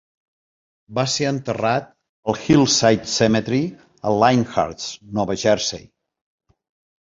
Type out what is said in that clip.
Va ser enterrat al Hillside Cemetery a Lyndhurst, Nova Jersey.